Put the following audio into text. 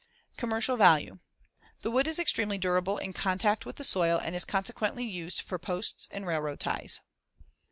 Commercial value: The wood is extremely durable in contact with the soil and is consequently used for posts and railroad ties.